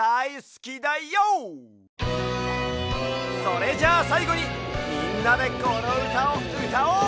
それじゃさいごにみんなでこのうたをうたおう！